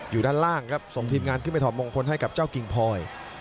ด้านล่างครับส่งทีมงานขึ้นไปถอดมงคลให้กับเจ้ากิ่งพลอย